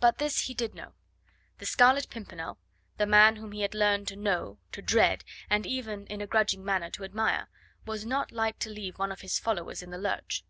But this he did know: the Scarlet Pimpernel the man whom he had learned to know, to dread, and even in a grudging manner to admire was not like to leave one of his followers in the lurch.